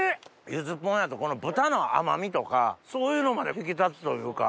ゆずポンやとこの豚の甘みとかそういうのまで引き立つというか。